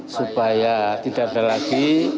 supaya tidak ada lagi